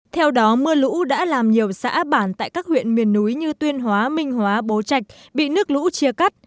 theo đó mưa lũ đã làm nhiều xã bản tại các huyện miền núi như tuyên hóa minh hóa bố trạch bị nước lũ chia cắt